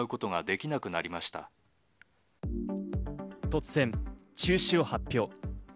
突然、中止を発表。